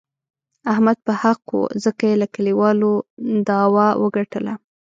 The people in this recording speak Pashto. احمد په حقه و، ځکه یې له کلیوالو داوه و ګټله.